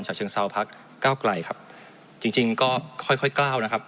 ชาวเชียงเศร้าภักดิ์ก้าวไกลครับจริงจริงก็ค่อยค่อยกล้าวนะครับ